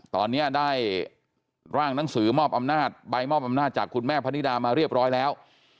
ตอนนี้ได้บัยมอบอำนาจจากคุณแม่ฟนีดามาเรียบร้อยแล้ว